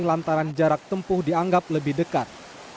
lantaran jarak tempuh dianggap lebih dekat